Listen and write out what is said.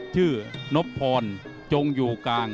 ชื่อนพพรจงอยู่กลาง